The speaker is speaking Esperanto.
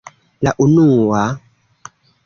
La unua...